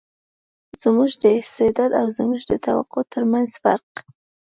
زموږ د استعداد او زموږ د توقع تر منځ فرق.